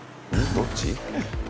どっち？